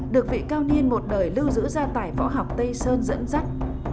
được vị cao niên một đời lưu giữ ra tại võ học tây sơn dẫn dắt